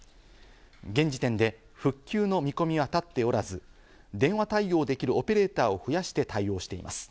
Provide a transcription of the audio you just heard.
現時点で復旧の見込みは立っておらず、電話対応できるオペレーターを増やして対応しています。